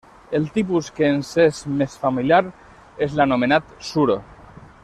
El tipus que ens és més familiar és l'anomenat suro.